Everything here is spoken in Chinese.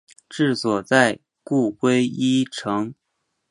治所在故归依城。